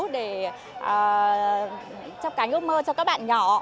để chấp cánh ước mơ cho các bạn nhỏ